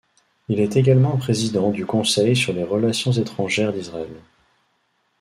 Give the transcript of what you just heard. Il est également président du Conseil sur les relations étrangères d’Israël.